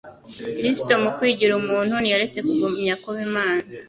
Kristo mu kwigira umuntu, ntiyaretse kugumya kuba Imana.